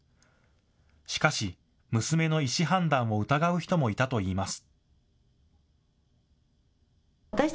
しかし娘の意思判断を疑う人もいたといいます。